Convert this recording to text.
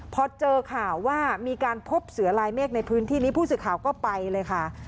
พอเจอข่าวว่ามีการพบเสือลายเมฆในพื้นที่นี้ผู้สื่อข่าวก็ไปเลยค่ะ